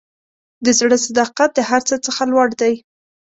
د زړه صداقت د هر څه څخه لوړ دی.